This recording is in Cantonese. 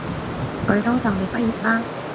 佢都就嚟畢業喇